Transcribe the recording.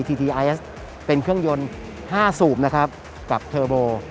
ทีทีไอซ์เป็นเครื่องยนต์๕สูบนะครับกับเทอร์โบ